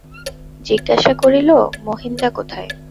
জিজ্ঞাসা করিল, মহিনদা কোথায়।